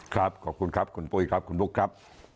ครับขอบคุณครับคุณปุ้ยครับคุณบุ๊คครับ